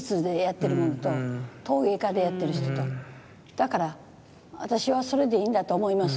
だから「私はそれでいいんだと思います」